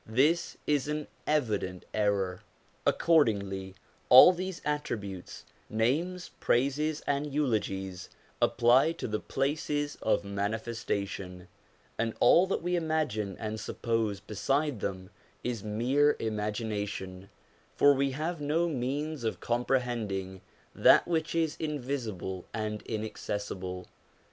This is an evident error. Accordingly all these attributes, names, praises, and eulogies apply to the Places of Manifestation ; and all that we imagine and suppose beside them is mere imagination, for we have no means of comprehending that which is invisible and inaccessible.